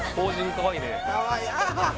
かわいい！